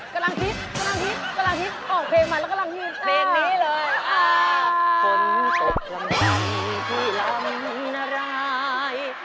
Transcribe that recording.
คนตกลำดังที่ลำนราย